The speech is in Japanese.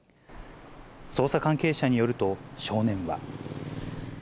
捜査関係者によると、少年は。